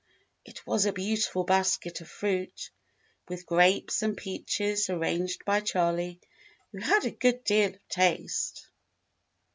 It was a beautiful basket of fruit, with grapes and peaches arranged by Charley, who had a good deal of taste.